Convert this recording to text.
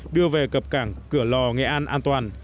đưa về cập cảng cửa lò nghệ an an toàn